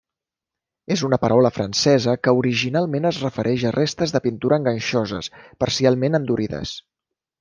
És una paraula francesa que originalment es refereix a restes de pintura enganxoses, parcialment endurides.